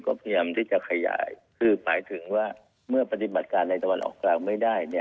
คือหมายถึงว่าเมื่อปฏิบัติการในจังหวันออกกลางไม่ได้